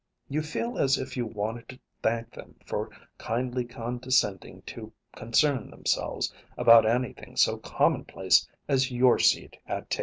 You feel as if you wanted to thank them for kindly condescending to concern themselves about anything so commonplace as your seat at table.